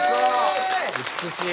美しい。